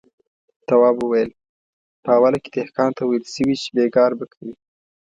تواب وويل: په اوله کې دهقان ته ويل شوي چې بېګار به کوي.